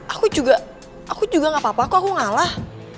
aku juga aku juga gak papa aku ngalah